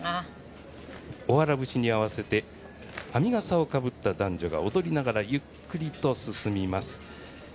「おわら節」に合わせて編みがさをかぶった男女が踊りながら、ゆっくりと進みます。